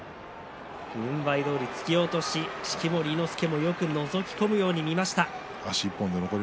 軍配は突き落とし式守伊之助もよくのぞくように見ました。